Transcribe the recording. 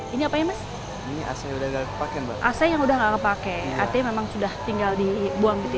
ini apa ya mas asli udah kepake kepake yang udah nggak kepake arti memang sudah tinggal dibuang gitu